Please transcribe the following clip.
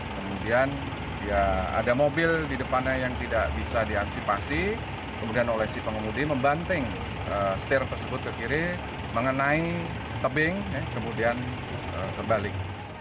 kemudian ya ada mobil di depannya yang tidak bisa diantisipasi kemudian oleh si pengemudi membanting setir tersebut ke kiri mengenai tebing kemudian terbalik